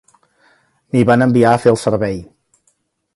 M'hi van enviar a fer el servei.